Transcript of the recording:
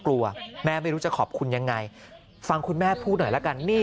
แม่ไม่รู้จะขอบคุณยังไงฟังคุณแม่พูดหน่อยละกันนี่